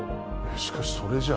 しかしそれじゃあ。